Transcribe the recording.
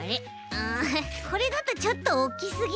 うんこれだとちょっとおっきすぎる？